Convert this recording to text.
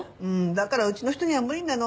だからうちの人には無理なの。